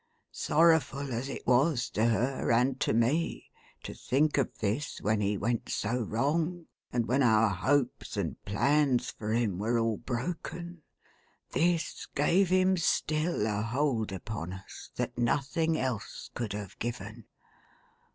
Sorrowful as it was to her, and to me, to think of this, when he went so wrong, and when our hopes and plans for him were all broken, this gave him still a hold upon us, that nothing else could have given.